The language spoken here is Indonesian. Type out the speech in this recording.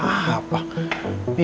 diatas gak nemu apa apa